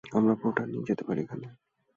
আমরা পোর্টাল দিয়ে যেতে পারি ওখানে।